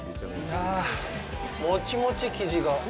あぁ、もちもち生地が。